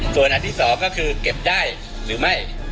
ส่วนอันที่๒ก็คือเก็บได้หรือไม่